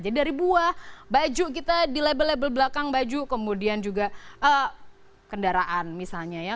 dari buah baju kita di label label belakang baju kemudian juga kendaraan misalnya ya